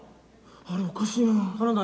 あれおかしいな。